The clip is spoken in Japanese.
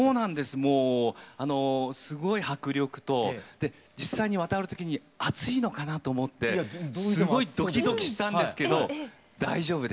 で実際に渡る時に熱いのかなと思ってすごいドキドキしたんですけど大丈夫でした。